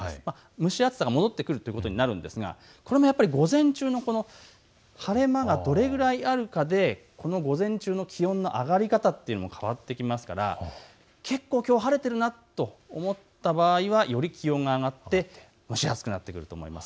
蒸し暑さが戻ってくるということになりそうですが午前中の晴れ間がどれくらいあるかで午前中の気温の上がり方というのが変わってきますから結構きょう晴れてくるなと思った場合はより気温が上がって蒸し暑くなってくると思います。